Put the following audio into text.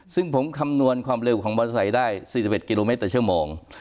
ซึ่งผมคำนวณความเร็วของมอเตอร์ไซค์ได้๔๑กิโลเมตรต่อชั่วโมง